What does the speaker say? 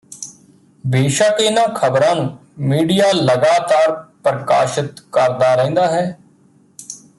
ਬੇਸ਼ੱਕ ਇਨ੍ਹਾਂ ਖ਼ਬਰਾਂ ਨੂੰ ਮੀਡੀਆ ਲਗਾਤਾਰ ਪ੍ਰਕਾਸ਼ਤ ਕਰਦਾ ਰਹਿੰਦਾ ਹੈ